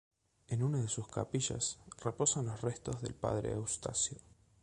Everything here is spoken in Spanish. En una de sus capillas, reposan los restos del padre Eustasio.